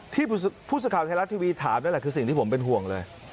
ที่ผู้สื่อข่าวไทยรัฐทีวีถามนั่นแหละคือสิ่งที่ผมเป็นห่วงเลย